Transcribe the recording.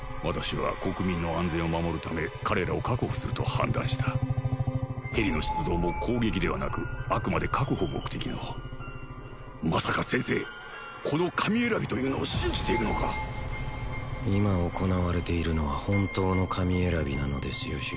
私は国民の安全を守るため彼らを確保すると判断したヘリの出動も攻撃ではなくあくまで確保目的のまさか先生この神選びというのを信じているのか今行われているのは本当の神選びなのですよ